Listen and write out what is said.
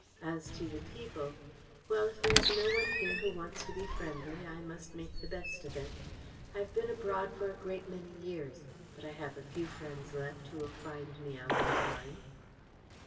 As to the people well, if there is no one here who wants to be friendly, I must make the best of it. I have been abroad for a great many years, but I have a few friends left who will find me out in time."